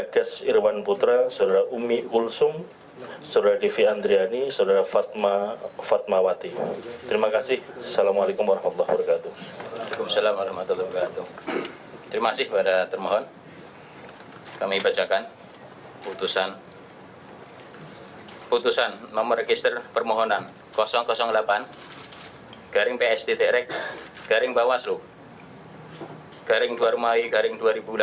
garing psdt rek garing bawaslu garing dwarumai garing dua ribu delapan belas